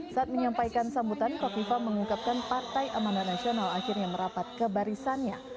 saat menyampaikan sambutan kofifa mengungkapkan partai amanah nasional akhirnya merapat ke barisannya